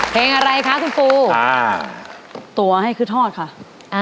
เพลงอะไรคะคุณปูอ่าตัวให้คือทอดค่ะอ่า